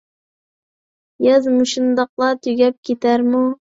ياز مۇشۇنداقلا تۈگەپ كېتەرمۇ؟